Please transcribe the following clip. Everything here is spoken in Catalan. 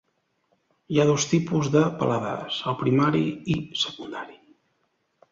Hi ha dos tipus de paladars: el primari i secundari.